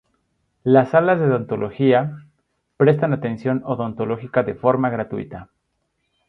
Las salas de odontología prestan atención odontológica de forma gratuita.